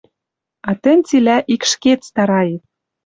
А тӹнь цилӓ ик ӹшкет старает.